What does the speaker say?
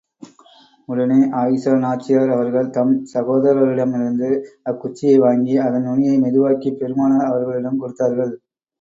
உடனே ஆயிஷா நாச்சியார் அவர்கள், தம் சகோதரரிடமிருந்து அக்குச்சியை வாங்கி, அதன் நுனியை மெதுவாக்கிப் பெருமானார் அவர்களிடம் கொடுத்தார்கள்.